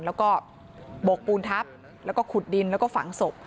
แล้วก็โบกปูนทับแล้วก็ขุดดินแล้วก็ฝังศพ